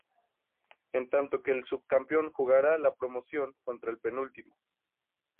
En tanto que el subcampeón jugará la promoción contra el penúltimo.